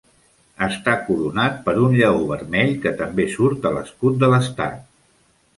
Està coronat per un lleó vermell que també surt a l"escut de l"estat.